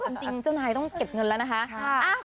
จริงเจ้านายต้องเก็บเงินแล้วนะคะ